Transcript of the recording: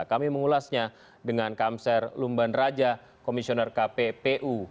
kami mengulasnya dengan kamser lumban raja komisioner kppu